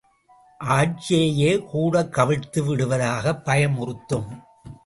ஆட்சியையே கூடக் கவிழ்த்து விடுவதாகப் பயமுறுத்தும்.